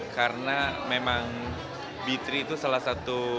karena memang b tiga itu salah satu